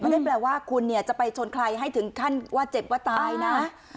ไม่ได้แปลว่าคุณเนี่ยจะไปชนใครให้ถึงขั้นว่าเจ็บว่าตายนะ